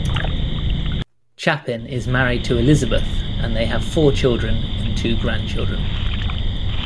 Chapin is married to Elizabeth and they have four children and two grandchildren.